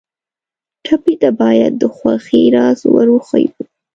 ټپي ته باید د خوښۍ راز ور وښیو.